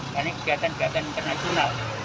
karena kegiatan kegiatan internasional